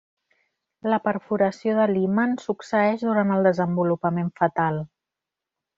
La perforació de l'himen succeeix durant el desenvolupament fetal.